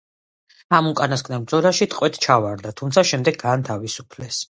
ამ უკანასკნელ ბრძოლაში ტყვედ ჩავარდა, თუმცა შემდეგ გაათავისუფლეს.